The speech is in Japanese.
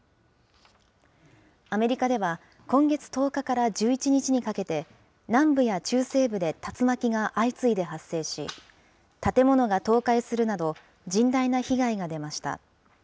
アメリカでは、今月１０日から１１日にかけて、南部や中西部で竜巻が相次いで発生し、建物が倒壊するなど、甚大な被害が出ました。